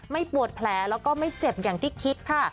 ปวดแผลแล้วก็ไม่เจ็บอย่างที่คิดค่ะ